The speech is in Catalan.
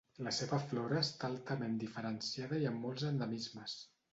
La seva flora està altament diferenciada i amb molts endemismes.